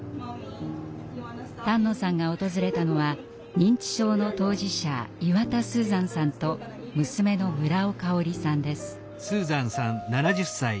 丹野さんが訪れたのは認知症の当事者岩田スーザンさんと娘の村尾香織さんです。